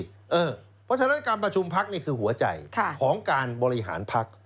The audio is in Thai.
เพราะฉะนั้นการประชุมพักนี่คือหัวใจของการบริหารพัก